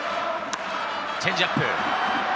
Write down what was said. チェンジアップ。